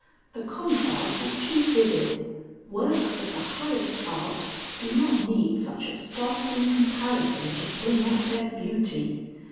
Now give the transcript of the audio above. The contrast is too vivid; works of the highest art do not need such a startling comparison to bring out their beauty.